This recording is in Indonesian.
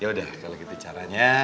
ya udah kalau gitu caranya